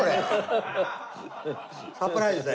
サプライズで。